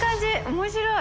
面白い。